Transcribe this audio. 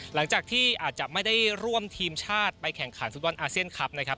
หลังจากที่อาจจะไม่ได้ร่วมทีมชาติไปแข่งขันฟุตบอลอาเซียนคลับนะครับ